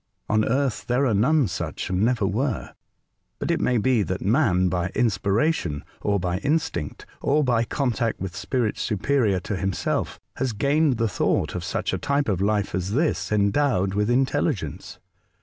On Earth there are none such, and never were; but it may be that man, by inspiration, or by instinct, or by contact with spirits superior to himself, has gained the thought of such a type of life as this endowed with intelligence.